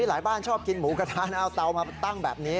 หลายบ้านชอบกินหมูกระทะนะเอาเตามาตั้งแบบนี้